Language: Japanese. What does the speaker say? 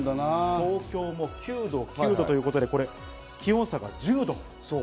東京も９度、９度ということで気温差が１０度。